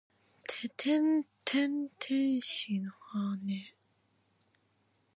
ててんてん天使の羽！